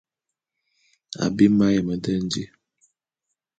Abim m'ayem nde di.